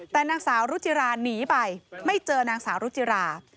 แต่นางสาวรุจิราหนีไปไม่เจอนางสาวรุจิรา